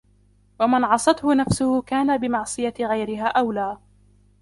وَمَنْ عَصَتْهُ نَفْسُهُ كَانَ بِمَعْصِيَةِ غَيْرِهَا أَوْلَى